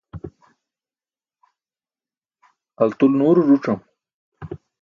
altul nuuro ẓuc̣am